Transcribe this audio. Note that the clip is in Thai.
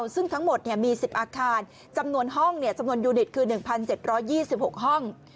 ซึ่งทั้งหมดมี๑๐อาคารจำนวนห้องจำนวนยูนิตคือ๑๗๒๖ห้อง